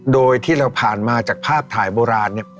โดยที่เราผ่านมาจากภาพถ่ายโบราณเนี่ย